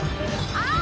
あっ！